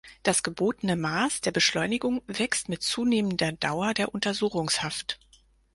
Das gebotene Maß der Beschleunigung wächst mit zunehmender Dauer der Untersuchungshaft.